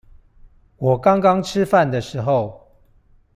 我剛剛吃飯的時候